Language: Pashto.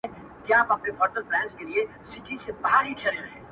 • په خبرو کي خبري پيدا کيږي،